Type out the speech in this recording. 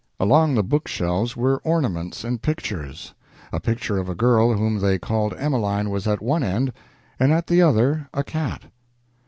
Along the book shelves were ornaments and pictures. A picture of a girl whom they called "Emeline" was at one end, and at the other a cat.